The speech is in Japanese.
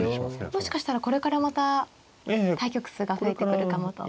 もしかしたらこれからまた対局数が増えてくるかもと。